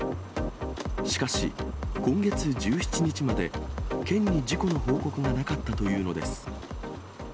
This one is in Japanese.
しかし、今月１７日まで県に事故の報告がなかったというのです。